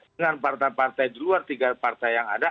dengan partai partai di luar tiga partai yang ada